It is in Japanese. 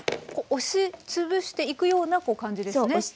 押し潰していくようなこう感じですね。